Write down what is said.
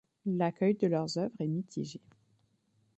L'accueil de leurs œuvres est mitigé.